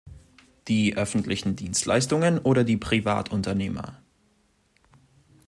Die öffentlichen Dienstleistungen oder die Privatunternehmer?